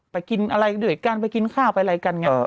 กินอะไรด้วยกันไปกินข้าวไปอะไรกันไง